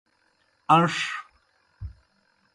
اَن٘ݜ۔